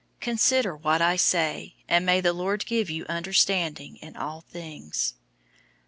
002:007 Consider what I say, and may the Lord give you understanding in all things.